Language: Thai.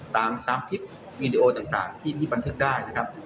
ตามคลิปวีดีโอต่างที่บันทึกได้นะครับ